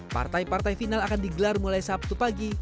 partai partai final akan digelar mulai sabtu pagi